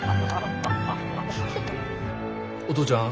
お父ちゃん